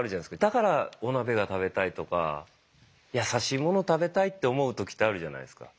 だからお鍋が食べたいとかやさしい物食べたいって思う時ってあるじゃないですか。